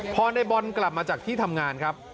พอในบอลกลับมาจากที่ทำงานครับ